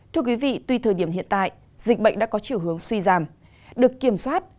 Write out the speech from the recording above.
thưa quý vị tuy thời điểm hiện tại dịch bệnh đã có chiều hướng suy giảm được kiểm soát